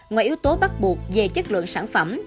ngoài yếu tố bắt buộc về chất lượng sản phẩm